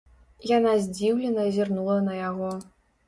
Яна здзіўлена зірнула на яго.